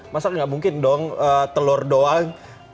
masa nggak mungkin dong telur doang